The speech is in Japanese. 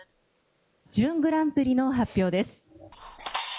準グランプリの発表です。